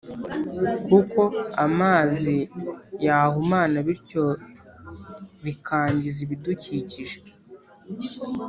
kuko amazi yahumana bityo bikangiza ibidukikije